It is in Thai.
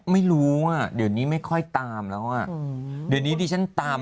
ไม่รู้อ่ะเดี๋ยวนี้ไม่ค่อยตามแล้วอ่ะเดี๋ยวนี้ดิฉันตาม